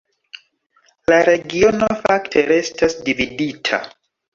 La regiono fakte restas dividita.